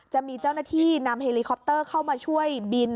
จะมีเจ้าหน้าที่นำเฮลิคอปเตอร์เข้ามาช่วยบิน